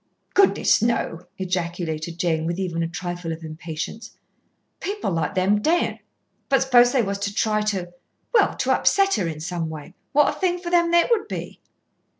"Goodness, no!" ejaculated Jane, with even a trifle of impatience. "People like them daren't. But suppose they was to try to, well, to upset her in some way, what a thing for them it would be."